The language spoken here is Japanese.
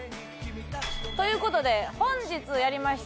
という事で本日やりました